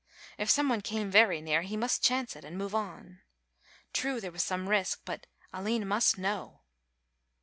If some one came very near, he must chance it and move on. True there was some risk, but Aline must know.